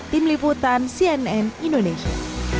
tim liputan cnn indonesia